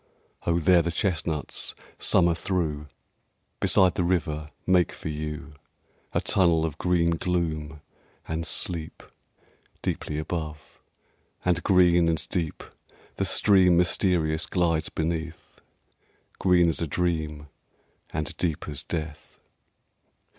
Oh! there the chestnuts, summer through, Beside the river make for you A tunnel of green gloom, and sleep Deeply above; and green and deep The stream mysterious glides beneath, Green as a dream and deep as death.